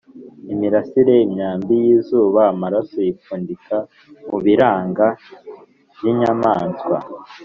imirase: imyambi y’izuba; amaraso yipfundika mu biranga by’inyamaswa